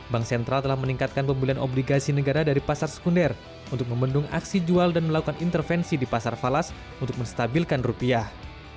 bank sentral telah meningkatkan pembelian obligasi negara dari pasar sekunder untuk membendung aksi jual dan melakukan intervensi di pasar falas untuk menstabilkan rupiah